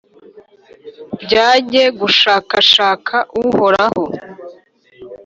bajye gushakashaka Uhoraho,